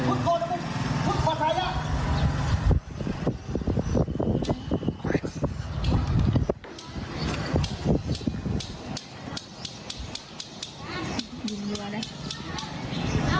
ไปทายักรณ์กันด้วยเถอะ